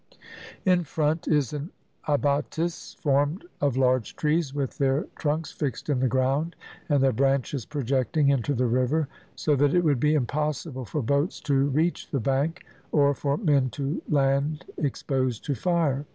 In front is an abattis formed of large trees, with their trunks fixed in the ground, and their branches projecting into the river, so that it would be impossible for boats to reach the bank, or for men to land exposed to fire.